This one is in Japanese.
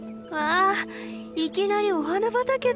いきなりお花畑だ！